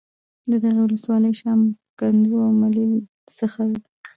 د دغې ولسوالۍ شام ، کندو او ملیل څخه د